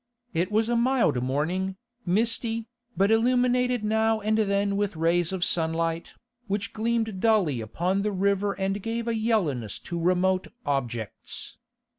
It was a mild morning, misty, but illuminated now and then with rays of sunlight, which gleamed dully upon the river and gave a yellowness to remote objects.